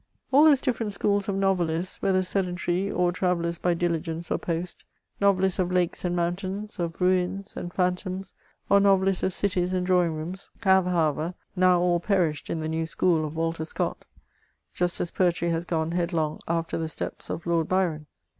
All those different schools of novelists—whether sedentary, or travellers by diligence or post, novelists of lakes and moun tains, of ruins and pnantoms, or novelists of cities and drawing rooms — have, however, now all perished in the new school of Walter Scott; just as poetry has gone headlong afber the steps of Lord Byron.